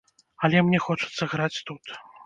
Але мне хочацца граць тут.